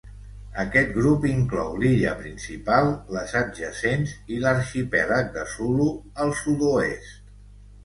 Aquest grup inclou l'illa principal, les adjacents i l'arxipèlag de Sulu, al sud-oest.